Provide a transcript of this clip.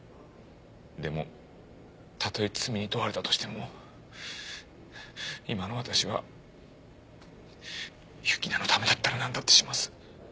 でもたとえ罪に問われたとしても今の私は雪菜のためだったらなんだってします。